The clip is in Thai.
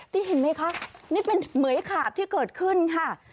นี่เห็นไหมคะนี่เป็นเหมือยขาบที่เกิดขึ้นค่ะ